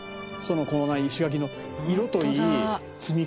この石垣の色といい積み方といい。